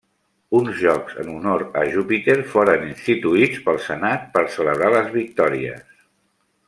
Uns jocs en honor a Júpiter foren instituïts pel senat per celebrar les victòries.